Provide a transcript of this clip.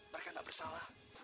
mereka gak bersalah